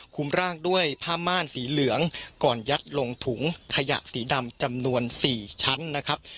ร่างด้วยผ้าม่านสีเหลืองก่อนยัดลงถุงขยะสีดำจำนวน๔ชั้นนะครับ